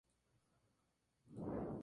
Es nativa de Texas, Chihuahua y Coahuila.